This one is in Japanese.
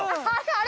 あれ？